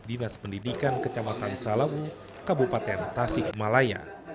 dinas pendidikan kecamatan salawu kabupaten tasikmalaya